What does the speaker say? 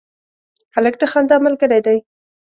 هلک د خندا ملګری دی.